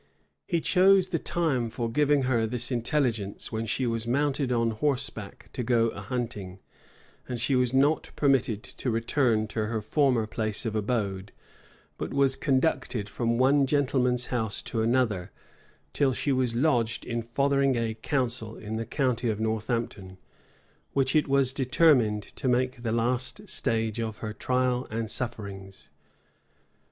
He chose the time for giving her this intelligence when she was mounted on horseback to go a hunting; and she was not permitted to return to her former place of abode, but war conducted from one gentleman's house to another, till she was lodged in Fotheringay Castle, in the County of Northampton, which it was determined to make the last stage of her trial and sufferings.